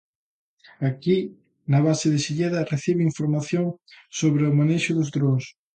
Aquí, na base de Silleda, reciben formación sobre o manexo dos drons.